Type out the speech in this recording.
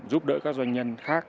giúp đỡ các doanh nhân khác